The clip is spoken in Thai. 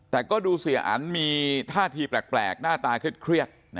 แต่ก็ดูเสียอันมีท่าทีแปลกหน้าตาเครียด